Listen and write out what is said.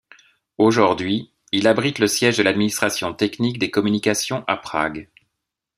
Aujourd'hui, il abrite le siège de l'administration technique des communications à Prague.